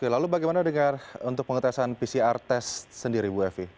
lalu bagaimana dengan pengetesan pcr test sendiri